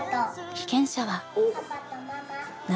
被験者は涙。